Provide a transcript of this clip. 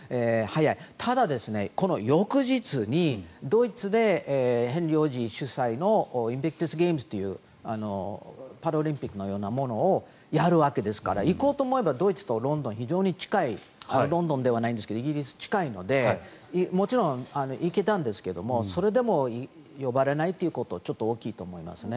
ただ、この翌日にドイツでヘンリー王子主催のパラオリンピックみたいなことをやろうと思えばやれるのでドイツとロンドン非常に近いロンドンではないですがイギリス、近いのでもちろん行けたんですけどそれでも呼ばれないということはちょっと大きいと思います。